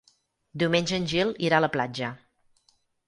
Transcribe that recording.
Diumenge en Gil irà a la platja.